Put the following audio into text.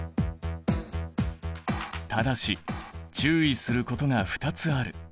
ただし注意することが２つある。